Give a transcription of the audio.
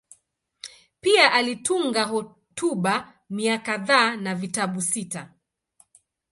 Pia alitunga hotuba mia kadhaa na vitabu sita.